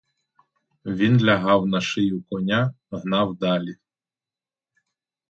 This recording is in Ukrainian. Він лягав на шию коня, гнав далі.